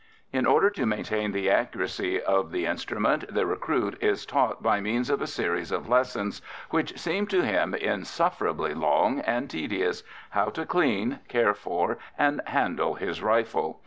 In order to maintain the accuracy of the instrument the recruit is taught by means of a series of lessons, which seem to him insufferably long and tedious, how to clean, care for, and handle his rifle.